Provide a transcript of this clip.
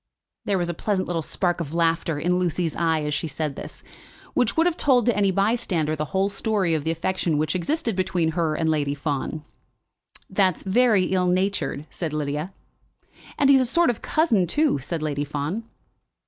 There was a pleasant little spark of laughter in Lucy's eye as she said this, which would have told to any bystander the whole story of the affection which existed between her and Lady Fawn. "That's very ill natured," said Lydia. "And he's a sort of cousin, too," said Lady Fawn.